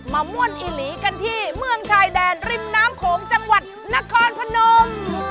ม่วนอีหลีกันที่เมืองชายแดนริมน้ำโขงจังหวัดนครพนม